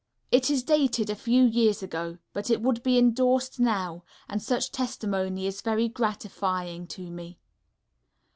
It is dated a few years ago, but it would be endorsed now, and such testimony is very gratifying to me.